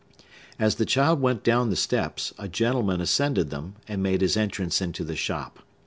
As the child went down the steps, a gentleman ascended them, and made his entrance into the shop.